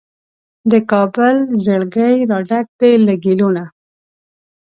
د کابل زړګی راډک دی له ګیلو نه